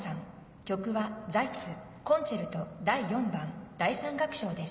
曲はザイツ『コンチェルト第４番第３楽章』です。